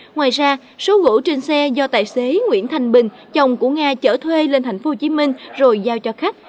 ngoài ra số gỗ trên xe do tài xế nguyễn thanh bình chồng của nga chở thuê lên tp hcm rồi giao cho khách